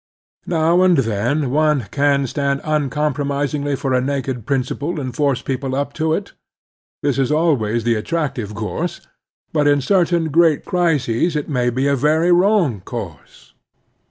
Now and then one can stand uncompromisingly for a naked principle and force people up to it. This is always the attractive course; but in certain great crises it may be a very wrong course.